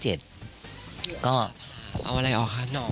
ก็เอาอะไรออกคะนอก